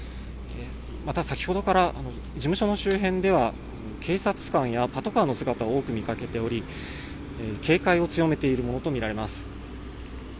また、先ほどから事務所の周辺では警察官やパトカーの姿を多く見掛けており警戒を強めているものと見られます。